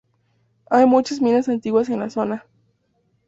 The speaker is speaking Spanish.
Hay muchas minas antiguas en la zona.